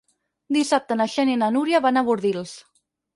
Dissabte na Xènia i na Núria van a Bordils.